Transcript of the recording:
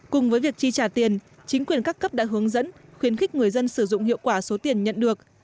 cùng với việc chi trả tiền chính quyền các cấp đã hướng dẫn khuyến khích người dân sử dụng hiệu quả số tiền nhận được